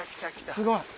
すごい。